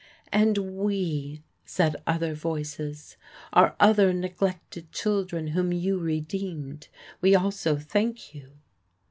"And we," said other voices, "are other neglected children whom you redeemed; we also thank you."